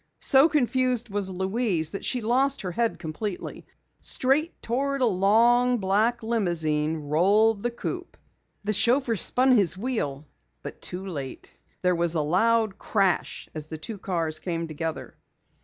So confused was Louise that she lost her head completely. Straight toward a long black limousine rolled the coupe. The chauffeur spun his wheel, but too late. There was a loud crash as the two cars came together.